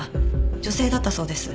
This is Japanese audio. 女性だったそうです。